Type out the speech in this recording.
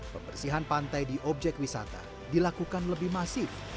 pembersihan pantai di objek wisata dilakukan lebih masif